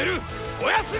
おやすみ！